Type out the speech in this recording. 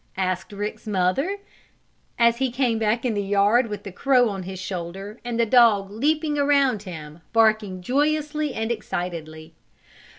asked Rick's mother, as he came back in the yard with the crow on his shoulder and the dog leaping around him, barking joyously and excitedly.